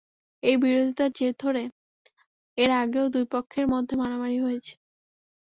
এই বিরোধিতার জের ধরে এর আগেও দুই পক্ষের মধ্যে মারামারি হয়েছে।